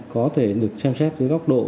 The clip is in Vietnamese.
có thể được xem xét với góc độ